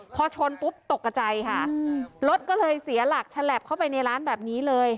พอชนปุ๊บตกกระใจค่ะรถก็เลยเสียหลักฉลับเข้าไปในร้านแบบนี้เลย